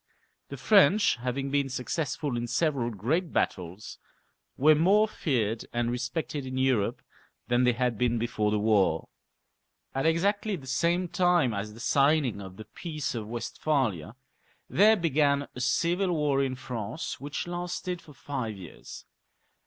The French having been successful in several great battles, were more feared and respected in Europe than they had been before the war. At exactly the same time as the signing of the Peace of Westphalia there began a civil war in France, which lasted for five years.